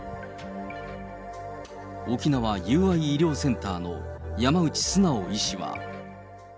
沖縄友愛医療センターの山内素直医師は。